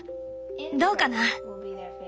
どうかな？